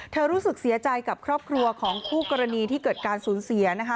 รู้สึกเสียใจกับครอบครัวของคู่กรณีที่เกิดการสูญเสียนะคะ